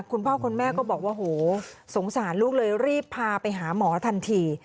คุณพ่อคุณแม่ก็บอกว่าโหสงสารลูกเลยรีบพาไปหาหมอทันที